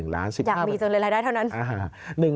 อยากมีจังเลยรายได้เท่านั้น